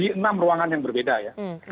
jadi baru enam yang kita pilih